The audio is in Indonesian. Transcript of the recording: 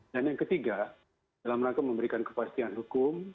dan yang ketiga dalam rangka memberikan kepastian hukum